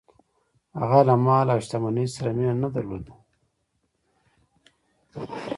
هغه له مال او شتمنۍ سره یې مینه نه درلوده.